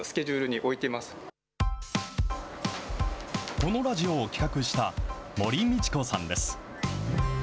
このラジオを企画した森路子さんです。